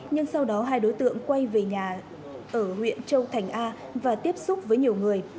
nhưng sau đó hai đối tượng quay về nhà ở huyện châu thành a và tiếp xúc với nhiều người